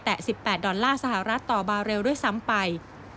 แต่๑๘ดอลลาร์สหรัฐต่อบาเรลด้วยซ้ำไป